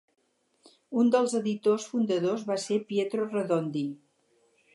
Un dels editors fundadors va ser Pietro Redondi.